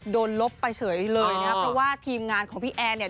โดนลบไปเฉยเลยนะคะแบบว่าทีมงานของพี่เอ๋นเนี่ย